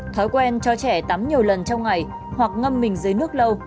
thói quen cho trẻ tắm nhiều lần trong ngày hoặc ngâm mình dưới nước lâu